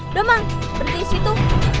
udah mang berhenti di situ